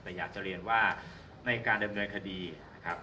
แต่อยากจะเรียนว่าในการดำเนินคดีนะครับ